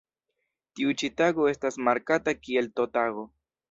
Tiu ĉi tago estas markata kiel T-Tago.